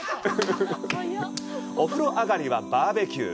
お風呂上りはバーベキュー！